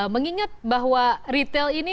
mengingat bahwa retail ini menjadi salah satu menyebabkan